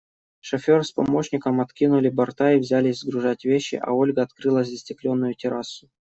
Шофер с помощником откинули борта и взялись сгружать вещи, а Ольга открыла застекленную террасу.